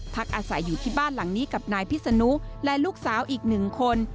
อาศัยอยู่ที่บ้านหลังนี้กับนายพิษนุและลูกสาวอีกหนึ่งคน